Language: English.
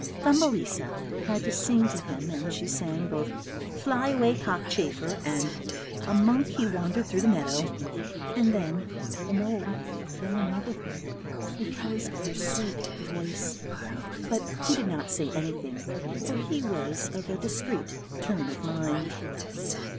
Thumbelisa had to sing to him and she sang both " Fly away cockchafer " and " A monk, he wandered through the meadow," then the mole fell in love with her because of her sweet voice, but he did not say anything, for he was of a discreet turn of mind.